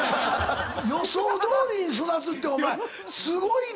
予想どおりに育つってお前すごいで。